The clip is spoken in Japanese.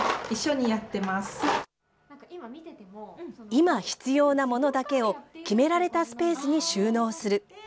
今必要なものだけを、決められたスペースに収納する。